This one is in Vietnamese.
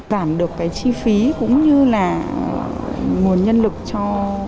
giảm được cái chi phí cũng như là nguồn nhân lực cho